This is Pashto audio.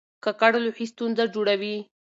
ککړ لوښي ستونزه جوړوي.